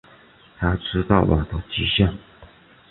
他知道我的极限